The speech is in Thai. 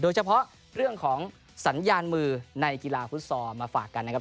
โดยเฉพาะเรื่องของสัญญาณมือในกีฬาฟุตซอลมาฝากกันนะครับ